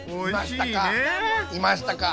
いましたか？